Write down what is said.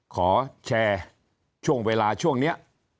ขอแชร์ช่วงเวลาช่วงนี้